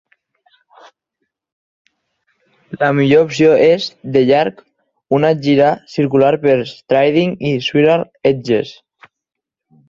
La millor opció és, de llarg, una gira circular per Striding i Swirral Edges.